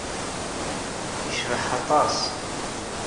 Yecbeḥ aṭas.